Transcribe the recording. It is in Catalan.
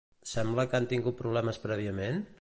Sembla que han tingut problemes prèviament?